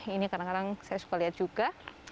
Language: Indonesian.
ini kadang kadang saya suka lihat juga